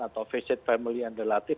atau visit family yang relatif